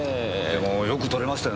でもよく取れましたよね。